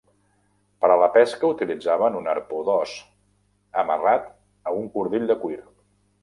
Per a la pesca utilitzaven un arpó d'os, amarrat a un cordill de cuir.